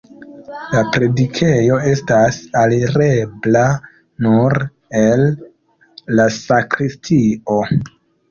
La predikejo estas alirebla nur el la sakristio.